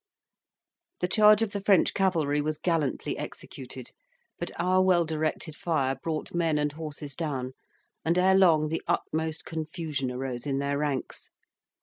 The charge of the French cavalry was gallantly executed; but our well directed fire brought men and horses down, and ere long the utmost confusion arose in their ranks.